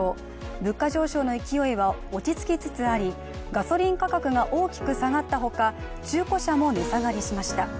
物価上昇の勢いは落ち着きつつありガソリン価格が大きく下がったほか中古車も値下がりしました。